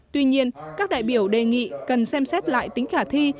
tuy nhiên các đại biểu đề nghị cần xem xét lại tính khả thi